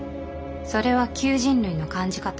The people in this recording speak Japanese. それは旧人類の感じ方。